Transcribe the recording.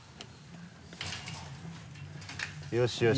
よしよし。